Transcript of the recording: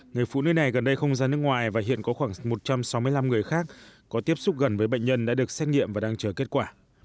người phụ nữ này gần đây không ra nước ngoài và hiện có khoảng một trăm sáu mươi năm người khác có tiếp xúc gần với bệnh nhân đã được xét nghiệm và đang chờ kết quả